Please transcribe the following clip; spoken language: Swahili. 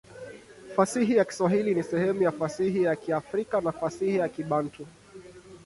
Fasihi ya Kiswahili ni sehemu ya fasihi ya Kiafrika na fasihi ya Kibantu.